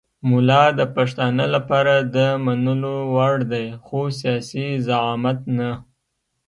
ملا د پښتانه لپاره د منلو وړ دی خو سیاسي زعامت نه.